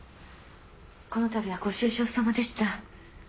このたびはご愁傷さまでした。